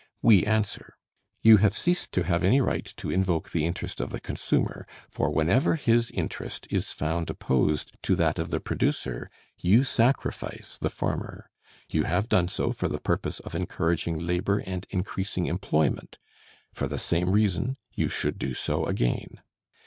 We answer: You have ceased to have any right to invoke the interest of the consumer; for whenever his interest is found opposed to that of the producer, you sacrifice the former. You have done so for the purpose of encouraging labor and increasing employment. For the same reason you should do so again.